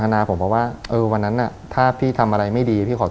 เนื้อนั้นคือทางที่นี่